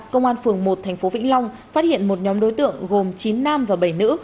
công an phường một tp vĩnh long phát hiện một nhóm đối tượng gồm chín nam và bảy nữ